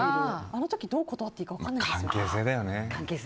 あの時どう断っていいか分からないですよね。